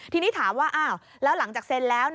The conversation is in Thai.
ทีนี้ถามว่าอ้าวแล้วหลังจากเซ็นแล้ว